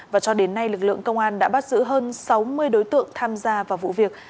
và cho đến nay lực lượng công an đã bắt giữ hơn sáu mươi đối tượng tham gia vào vụ việc